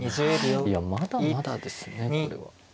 いやまだまだですねこれは。